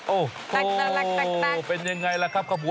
โอ้โหเป็นยังไงล่ะครับขบวน